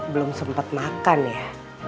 pengen sempet makan ya